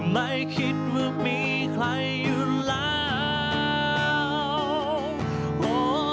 ไม่คิดว่ามีใครอยู่แล้ว